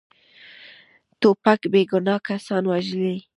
توپک بیګناه کسان وژلي.